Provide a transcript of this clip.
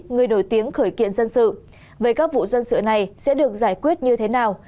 người nổi tiếng khởi kiện dân sự về các vụ dân sự này sẽ được giải quyết như thế nào